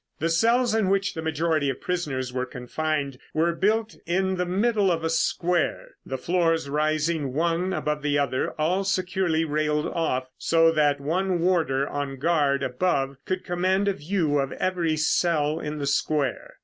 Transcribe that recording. The cells in which the majority of prisoners were confined were built in the middle of a square, the floors rising one above the other, all securely railed off, so that one warder on guard above, could command a view of every cell in the square.